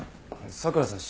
佐倉さん